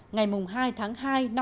ngày hai tháng hai